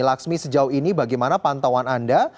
laksmi sejauh ini bagaimana pantauan anda